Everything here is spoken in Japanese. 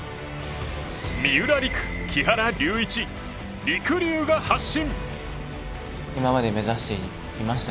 三浦璃来、木原龍一りくりゅうが発進！